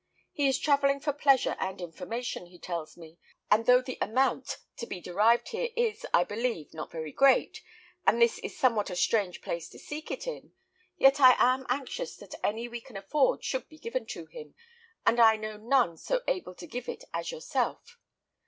He is travelling for pleasure and information, he tells me; and though the amount to be derived here is, I believe, not very great, and this is somewhat a strange place to seek it in, yet I am anxious that any we can afford should be given to him, and I know none so able to give it as yourself.